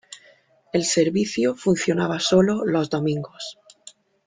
El servicio funcionaba solo los domingos.